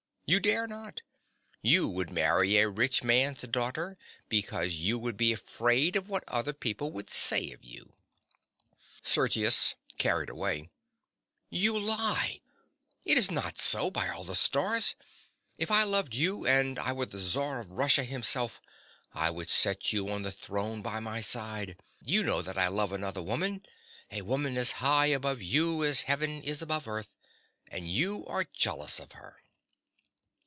You dare not: you would marry a rich man's daughter because you would be afraid of what other people would say of you. SERGIUS. (carried away). You lie: it is not so, by all the stars! If I loved you, and I were the Czar himself, I would set you on the throne by my side. You know that I love another woman, a woman as high above you as heaven is above earth. And you are jealous of her.